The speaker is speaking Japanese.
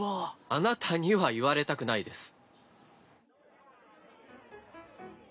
あなたには言われたくないです。